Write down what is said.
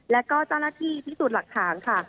แล้วก็เจ้าหน้าที่พิสูจน์หลักฐานค่ะ